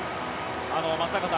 松坂さん